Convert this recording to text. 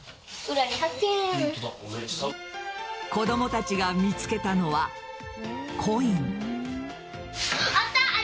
子供たちが見つけたのはコイン。